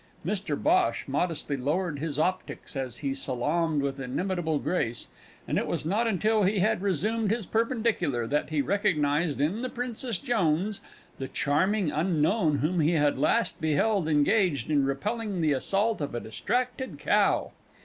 Mr Bhosh modestly lowered his optics as he salaamed with inimitable grace, and it was not until he had resumed his perpendicular that he recognised in the Princess Jones the charming unknown whom he had last beheld engaged in repelling the assault of a distracted cow!